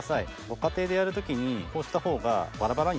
ご家庭でやる時にこうしたほうが。